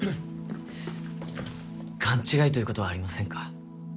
勘違いということはありませんか？